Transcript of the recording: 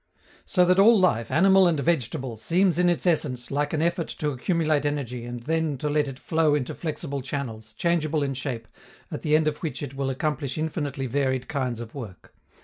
So that all life, animal and vegetable, seems in its essence like an effort to accumulate energy and then to let it flow into flexible channels, changeable in shape, at the end of which it will accomplish infinitely varied kinds of work.